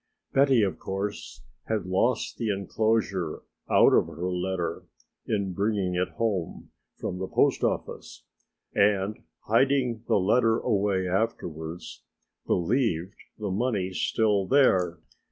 Betty of course had lost the enclosure out of her letter in bringing it home from the post office and, hiding the letter away afterwards, believed the money still there.